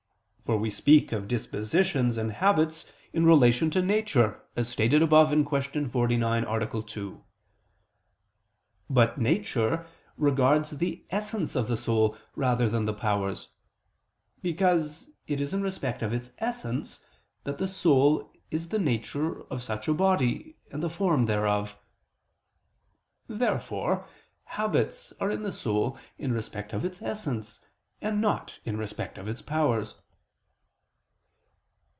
For we speak of dispositions and habits in relation to nature, as stated above (Q. 49, A. 2). But nature regards the essence of the soul rather than the powers; because it is in respect of its essence that the soul is the nature of such a body and the form thereof. Therefore habits are in the soul in respect of its essence and not in respect of its powers.